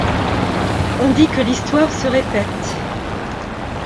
On dit que l’histoire se répète…